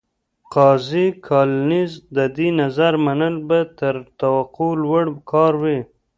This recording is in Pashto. قاضي کالینز د دې نظر منل به تر توقع لوړ کار وي.